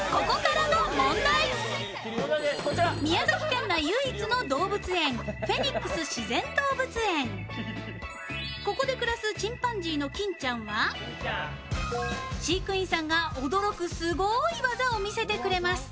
宮崎県内唯一の動物園フェニックス自然動物園、ここで暮らすチンパンジーのキンちゃんは飼育さんが驚くすごい技を見せてくれます。